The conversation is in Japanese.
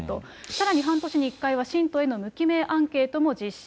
さらに半年に１回は、信徒への無記名アンケートも実施。